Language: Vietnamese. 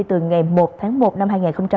từ ngày một tháng một năm hai nghìn hai mươi